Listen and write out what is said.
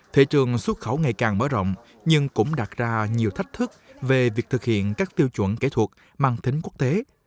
thị trường xuất khẩu ngày càng mở rộng nhưng cũng đặt ra nhiều thách thức về việc thực hiện các tiêu chuẩn kỹ thuật mang tính quốc tế